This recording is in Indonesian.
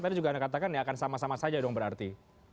tadi juga anda katakan ya akan sama sama saja dong berarti